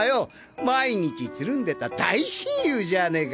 毎日ツルんでた大親友じゃねえか！